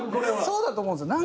そうだと思うんですよ。